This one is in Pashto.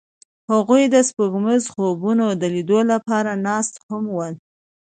هغوی د سپوږمیز خوبونو د لیدلو لپاره ناست هم وو.